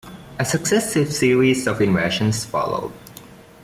A successive series of invasions followed.